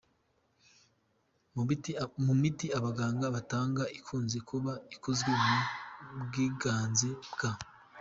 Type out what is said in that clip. Mu miti abaganga batanga ikunze kuba ikozwe ku bwiganze bwa